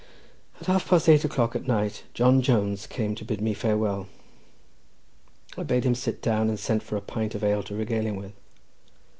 About half past eight o'clock at night John Jones came to bid me farewell. I bade him sit down, and sent for a pint of ale to regale him with.